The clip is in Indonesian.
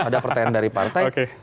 ada pertanyaan dari partai